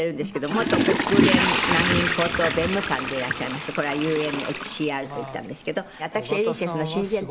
元国連難民高等弁務官でいらっしゃいましてこれはＵＮＨＣＲと言ったんですけど。